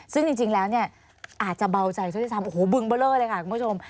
ซึ่งจริงแล้วเนี่ยอาจจะเบาใจซะด้วยซ้ำโอ้โหบึงเบอร์เลอร์เลยค่ะคุณผู้ชม